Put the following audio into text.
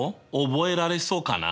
覚えられそうかな？